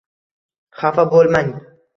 Xafa bo`lmang